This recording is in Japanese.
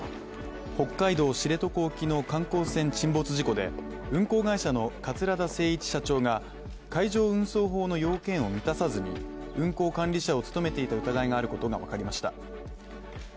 北海道知床沖の観光船沈没事故で、運航会社の桂田精一社長が、海上運送法の要件を満たさずに、運航管理者を務めていた疑いがあることがわかりました。